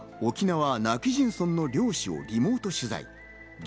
『スッキリ』は沖縄・今帰仁村の漁師をリモート取材。